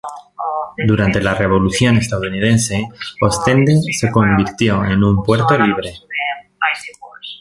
Durante la Revolución estadounidense Ostende se convirtió en un puerto libre.